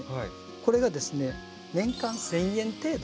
これがですね「年間１，０００円程度」。